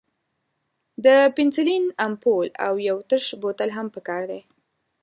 د پنسلین امپول او یو تش بوتل هم پکار دی.